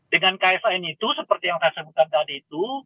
dengan kfn itu seperti yang saya sebutkan tadi itu